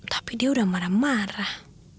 tapi dia udah marah marah